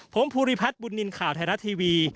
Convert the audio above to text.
ผมภูริพัฒน์บุญนินทร์ข่าวไทยรัฐทีวี